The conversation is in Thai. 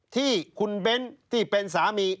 ที่คุณเบ้นที่เป็นสามี